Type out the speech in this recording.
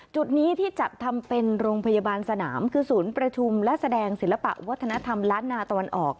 จุดนี้ที่จัดทำเป็นโรงพยาบาลสนามคือศูนย์ประชุมและแสดงศิลปะวัฒนธรรมล้านนาตะวันออก